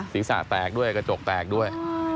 ศีรษะแตกด้วยกระจกแตกด้วย